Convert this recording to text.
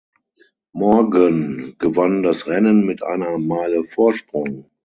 Morgan gewann das Rennen mit einer Meile Vorsprung.